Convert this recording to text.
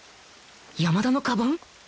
山田のカバン？